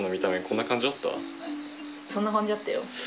そんな感じだったよ。